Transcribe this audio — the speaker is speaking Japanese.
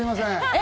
え！